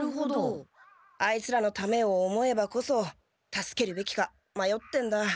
あいつらのためを思えばこそ助けるべきかまよってんだ。